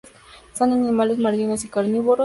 Son animales marinos y carnívoros.